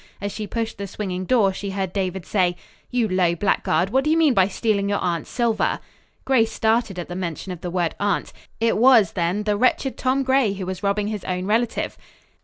As she pushed the swinging door, she heard David say: "You low blackguard, what do you mean by stealing your aunt's silver?" Grace started at the mention of the word "aunt." It was, then, the wretched Tom Gray who was robbing his own relative!